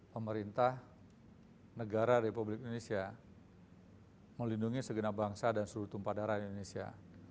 pemerintah negara republik indonesia melindungi segenap bangsa dan seluruh tumpah darah di indonesia